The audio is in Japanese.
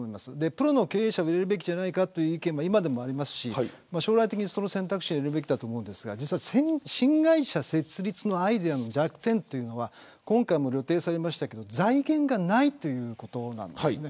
プロの経営者を入れるべきじゃないかという意見もありますし将来的に、その選択肢を入れるべきだと思いますが新会社設立のアイデアの弱点というのは今回も露呈されましたが財源がないということなんです。